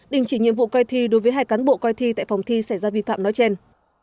đình chỉ nhiệm vụ coi thi đối với hai cán bộ coi thi tại phòng thi xảy ra vi phạm nói trên